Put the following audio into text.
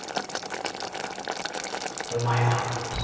お前だ。